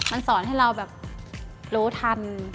มันสอนให้เราแบบรู้ทัน